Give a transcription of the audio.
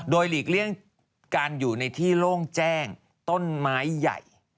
โดยหลีกเลี่ยงการอยู่ในที่โล่งแจ้งต้นไม้ใหญ่